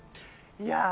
いや。